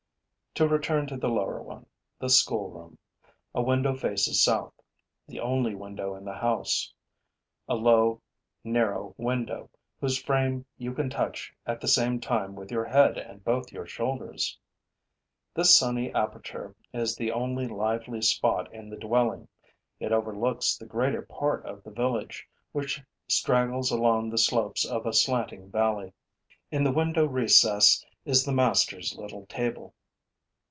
To return to the lower one, the schoolroom: a window faces south, the only window in the house, a low, narrow window whose frame you can touch at the same time with your head and both your shoulders. This sunny aperture is the only lively spot in the dwelling, it overlooks the greater part of the village, which straggles along the slopes of a slanting valley. In the window recess is the master's little table.